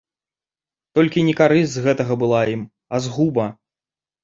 Толькі не карысць з гэтага была ім, а згуба.